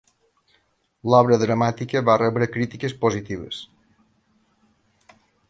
L'obra dramàtica va rebre crítiques positives.